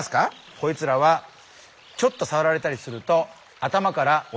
こいつらはちょっとさわられたりすると頭からえっ？